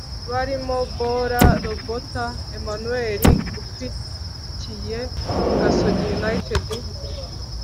barimo bola lobota emmanuel ufitiye gasogi united